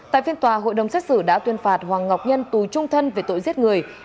tại phiên tòa hội đồng xét xử đã tuyên phạt hoàng ngọc nhân tùy trung thân về tội giết người